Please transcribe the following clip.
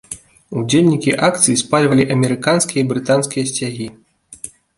Удзельнікі акцый спальвалі амерыканскія і брытанскія сцягі.